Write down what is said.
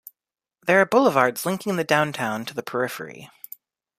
There are boulevards linking the downtown to the periphery.